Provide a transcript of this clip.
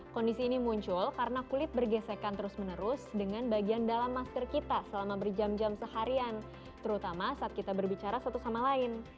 kondisi ini muncul karena kulit bergesekan terus menerus dengan bagian dalam masker kita selama berjam jam seharian terutama saat kita berbicara satu sama lain